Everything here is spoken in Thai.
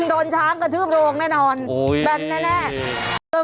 โดนช้างกระทืบโรงแน่นอนแบนแน่เออ